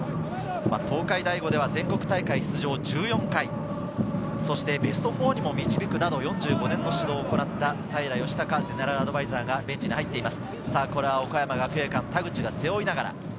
東海大五では全国大会出場１４回、ベスト４にも導くなど４５年の指導を行った、平ゼネラルアドバイザーがベンチに入っています。